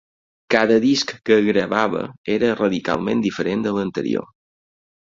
Cada disc que gravava era radicalment diferent de l'anterior.